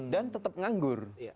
dan tetap nganggur